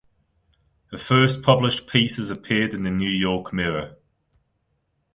Her first published pieces appeared in the "New York Mirror".